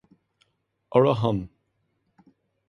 Ar a shon.